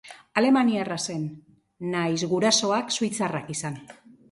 Alemaniarra zen, nahiz gurasoak suitzarrak izan.